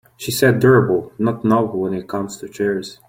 She said durable not novel when it comes to chairs.